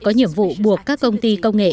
có nhiệm vụ buộc các công ty công nghệ